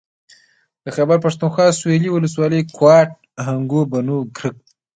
د خېبر پښتونخوا سوېلي ولسوالۍ کوهاټ هنګو بنو کرک